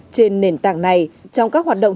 trên nền tảng này trong các hoạt động